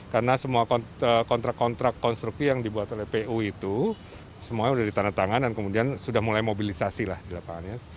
karena semua kontrak kontrak konstruksi yang dibuat oleh pu itu semuanya sudah ditandatangan dan kemudian sudah mulai mobilisasi lah di lapangannya